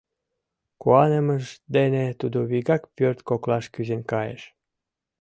Куанымыж дене тудо вигак пӧрт коклаш кӱзен кайыш.